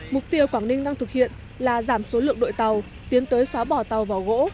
mục tiêu quảng ninh đang thực hiện là giảm số lượng đội tàu tiến tới xóa bỏ tàu vỏ gỗ